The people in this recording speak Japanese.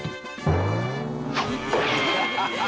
ハハハハ！